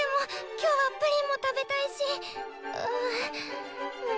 今日はプリンも食べたいし。